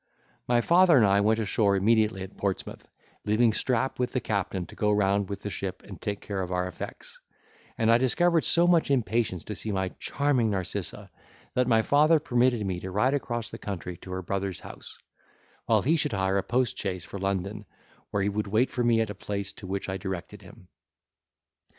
My father and I went ashore immediately at Portsmouth, leaving Strap with the captain to go round with the ship and take care of our effects; and I discovered so much impatience to see my charming Narcissa, that my father permitted me to ride across the country to her brother's house; while he should hire a post chaise for London, where he would wait for me at a place to which I directed him.